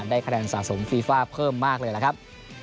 ได้รับเอกสารยืนยันว่าจะเป็น